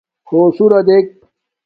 ہݸسُرݳ دݵک.